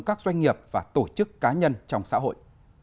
các doanh nghiệp và tổ chức cá nhân trong xã hội